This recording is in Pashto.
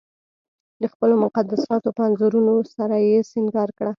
د خپلو مقدساتو په انځورونو سره یې سنګار کړه.